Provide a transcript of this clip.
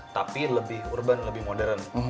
tapi lebih urban lebih modern